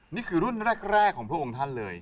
นี่คือรุ่นแรกของพระองค์ท่านเลย